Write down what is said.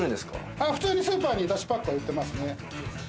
あっ普通にスーパーに出汁パックは売ってますね